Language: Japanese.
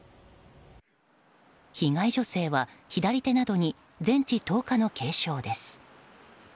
被害女性は、左手などに全治１０日の軽傷です。